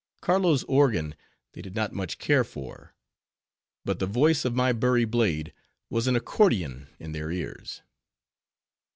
Carlo's organ they did not so much care for; but the voice of my Bury blade was an accordion in their ears.